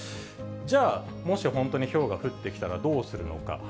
じゃあ、もし本当にひょうが降ってきたらどうするのか。